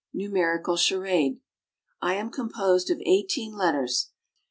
8. NUMERICAL CHARADE. I am composed of 18 letters.